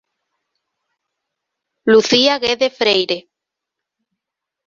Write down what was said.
Lucía Guede Freire.